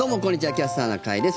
「キャスターな会」です。